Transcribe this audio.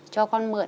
cho con đi viện